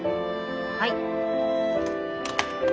はい。